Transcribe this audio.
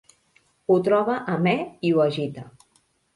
Ho troba amè i ho agita.